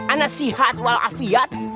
ini sihat walafiat